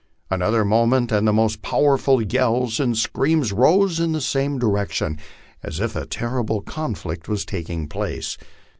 Another moment, and the most powerful yells and screams rose in the same direction, as if a terrible conflict was taking place.